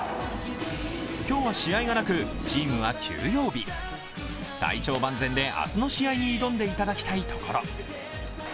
今日は試合がなく、チームは休養日体調万全で明日の試合に挑んでいただきたいところ。